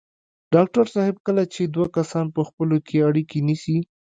ډاکټر صاحب کله چې دوه کسان په خپلو کې اړيکې نیسي.